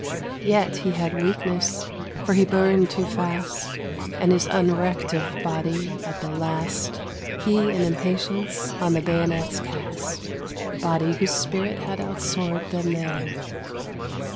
Yet he had weakness, for he burned too fast; And his unrecked of body at the last He in impatience on the bayonets cast, Body whose spirit had outsoared them there.